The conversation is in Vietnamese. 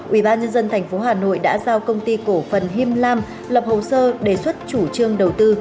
ubnd tp hà nội đã giao công ty cổ phần him lam lập hồ sơ đề xuất chủ trương đầu tư